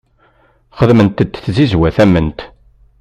Xeddment-d tzizwa tamemt.